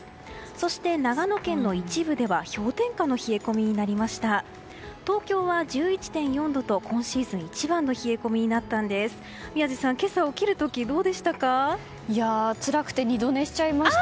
そして、長野県の一部では氷点下の冷え込みになりました。